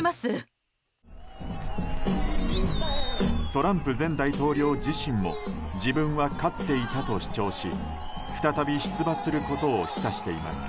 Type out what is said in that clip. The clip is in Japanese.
トランプ前大統領自身も自分は勝っていたと主張し再び出馬することを示唆しています。